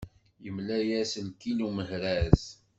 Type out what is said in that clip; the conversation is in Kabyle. Yemmela-yas lkil umehraz.